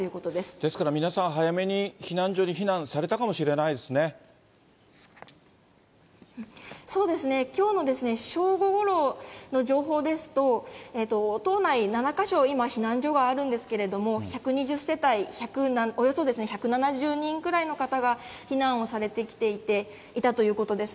ですから、皆さん、早めに避難所に避難されたかもしれないでそうですね、きょうの正午ごろの情報ですと、島内７か所、今、避難所があるんですけれども、１２０世帯およそ１７０人くらいの方が避難をされてきていていたということです。